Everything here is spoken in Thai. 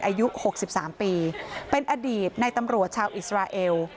อายุ๖๓ปีเป็นอดีตในตำรวจชาวอิสราเอล